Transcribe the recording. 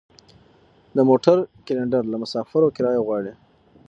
د موټر کلینډر له مسافرو کرایه غواړي.